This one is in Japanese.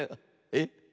えっ？